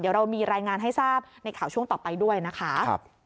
เดี๋ยวเรามีรายงานให้ทราบในข่าวช่วงต่อไปด้วยนะคะ